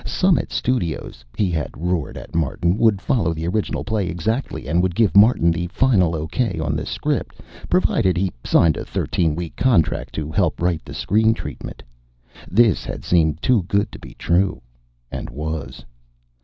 Summit Studios, he had roared at Martin, would follow the original play exactly and would give Martin the final okay on the script, provided he signed a thirteen week contract to help write the screen treatment. This had seemed too good to be true and was.